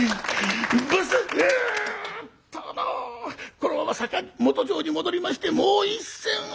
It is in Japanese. このまま坂本城に戻りましてもう一戦を」。